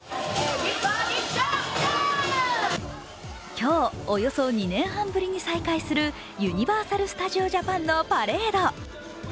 今日、およそ２年半ぶりに再開するユニバーサル・スタジオ・ジャパンのパレード。